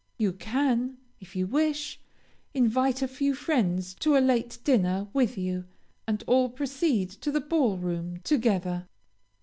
You can, if you wish, invite a few friends to a late dinner with you, and all proceed to the ball room together.